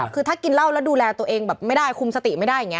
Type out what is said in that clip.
คือถ้ากินเหล้าแล้วดูแลตัวเองแบบไม่ได้คุมสติไม่ได้อย่างนี้